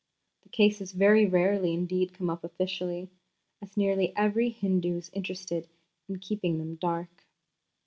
The cases very rarely indeed come up officially, as nearly every Hindu is interested in keeping them dark."